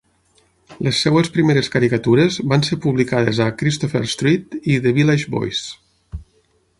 Les seves primeres caricatures van ser publicades a "Christopher Street" i "The Village Voice".